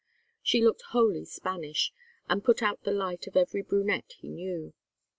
She looked wholly Spanish, and put out the light of every brunette he knew.